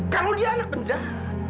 kalau dia anak penjahat